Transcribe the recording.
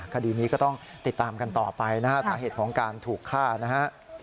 คดีนี้ก็ต้องติดตามกันต่อไปนะฮะสาเหตุของการถูกฆ่านะฮะ